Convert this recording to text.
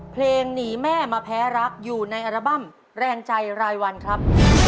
เพลงหนีแม่มาแพ้รักอยู่ในอัลบั้มแรงใจรายวันครับ